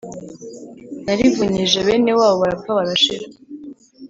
narivunyije bene wabo barapfa barashira,